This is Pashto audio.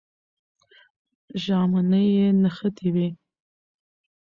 ژامنې یې نښتې وې.